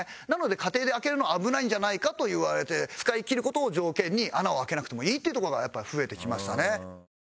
なので家庭で開けるのは危ないんじゃないかといわれて使い切る事を条件に穴を開けなくてもいいっていう所がやっぱり増えてきましたね。